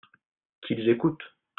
Qu'ils écoutent !